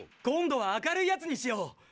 今度は明るいやつにしよう。